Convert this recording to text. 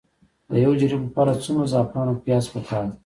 د یو جریب لپاره څومره د زعفرانو پیاز پکار دي؟